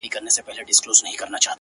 o دغه رنگينه او حسينه سپوږمۍ ـ